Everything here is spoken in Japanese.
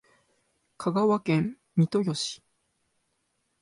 香川県三豊市